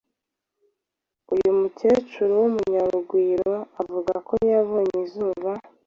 Uyu mukecuru w’umunyarugwiro avuga ko yabonye izuba